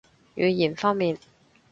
語言方面